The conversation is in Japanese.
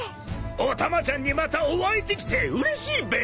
お玉ちゃんにまたお会いできてうれしいべ！